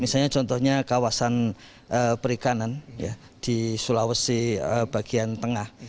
misalnya contohnya kawasan perikanan di sulawesi bagian tengah